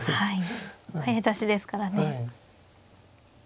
はい早指しですからね。